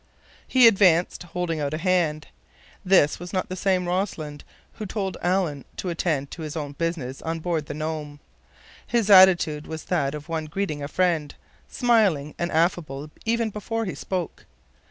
He advanced, holding out a hand. This was not the same Rossland who had told Alan to attend to his own business on board the Nome. His attitude was that of one greeting a friend, smiling and affable even before he spoke.